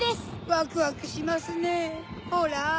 ワクワクしますねホラ！